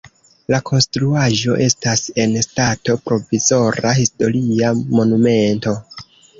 La konstruaĵo estas en stato provizora historia monumento.